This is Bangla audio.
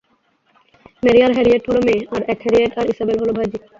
মেরী আর হ্যারিয়েট হল মেয়ে, আর এক হ্যারিয়েট আর ইসাবেল হল ভাইঝি।